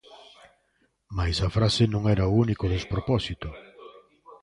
Mais a frase non era o único despropósito.